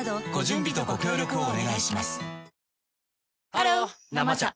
ハロー「生茶」